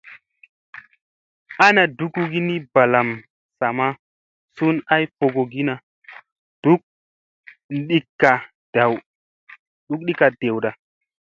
Ana dugugi ni balam sa ma sun ay fogogina duk ngikka dewda.